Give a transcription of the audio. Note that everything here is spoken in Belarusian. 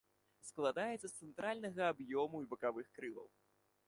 Складаецца з цэнтральнага аб'ёму і бакавых крылаў.